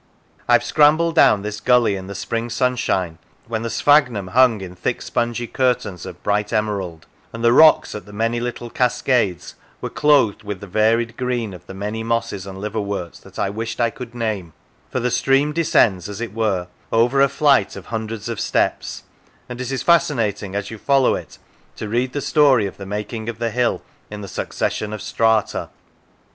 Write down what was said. I have scrambled down this gully in the spring sunshine, when the sphagnum hung in thick spongy curtains of bright emerald, and the rocks at the many little cascades were clothed with the varied green of many mosses and liverworts that I wished I could name; for the stream descends, as it were, over a flight of hundreds of steps, and it is fascinating, as you follow it, to read the story of the making of the hill in the succession of strata.